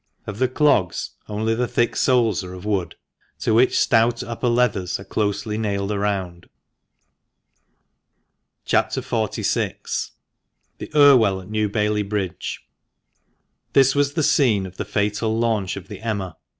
Of the clogs only the thick soles are of wood, to which stout upper leathers are closely nailed round. CHAP. XLVI. — THE IRWELL AT NEW BAILEY BRIDGE. — This was the scene of the fatal launch of the Emma.